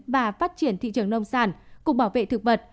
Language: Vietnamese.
và phát triển thị trường nông sản cục bảo vệ thực vật